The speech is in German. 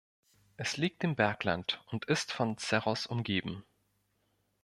Es liegt im Bergland und ist von Cerros umgeben.